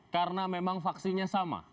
karena memang vaksinnya sama